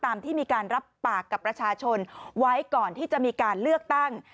ที่มีการรับปากกับประชาชนไว้ก่อนที่จะมีการเลือกตั้ง